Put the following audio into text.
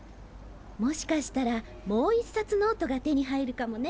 もしかしたらもう一冊ノートが手に入るかもね。